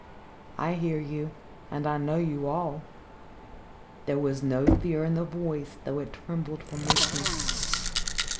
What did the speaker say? "I hear you and I know you all." There was no fear in the voice though it trembled from weakness.